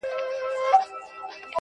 هيواد مي هم په ياد دى.